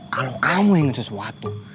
kalau kamu ingin sesuatu